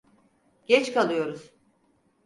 Geç kalıyoruz.